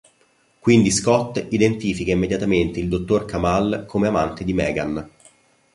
Quindi Scott identifica immediatamente il dottor Kamal come amante di Megan.